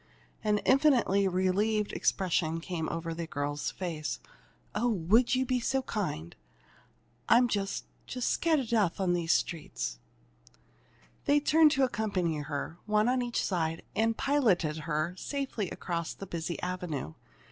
An infinitely relieved expression came over the girl's face. "Oh, would you be so kind? I'm just just scared to death on these streets!" They turned to accompany her, one on each side, and piloted her safely across the busy avenue.